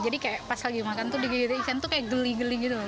jadi kayak pas lagi makan tuh digigit ikan tuh kayak geli geli gitu loh